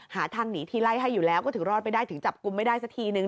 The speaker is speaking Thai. หาทางหนีทีไล่ให้อยู่แล้วก็ถึงรอดไปได้ถึงจับกลุ่มไม่ได้สักทีนึง